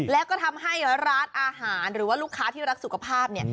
แล้วก็ทำให้ร้านอาหารหรือว่าลูกค้าที่รักสุขภาพเนี่ย